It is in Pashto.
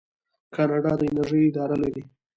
کاناډا د انرژۍ اداره لري.